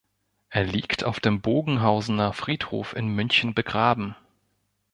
Er liegt auf dem Bogenhausener Friedhof in München begraben.